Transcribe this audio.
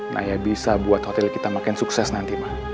naya bisa buat hotel kita makin sukses nanti mak